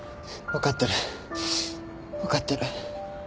分かってる分かってる。